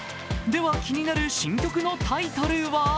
では、気になる新曲のタイトルは？